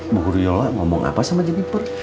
bu guru yola ngomong apa sama jeniper